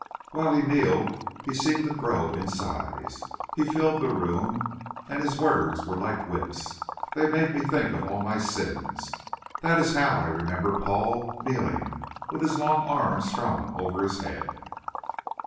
While he kneeled he seemed to grow in size. He filled the room. And his words were like whips. They made me think of all my sins. That is how I remember Paul, kneeling, with his long arms thrown over his head.